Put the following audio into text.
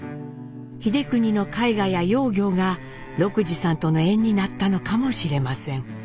英邦の絵画や窯業が禄二さんとの縁になったのかもしれません。